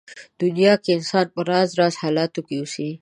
دنيا کې انسان په راز راز حالاتو کې اوسي.